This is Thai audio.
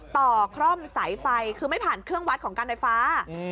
คร่อมสายไฟคือไม่ผ่านเครื่องวัดของการไฟฟ้า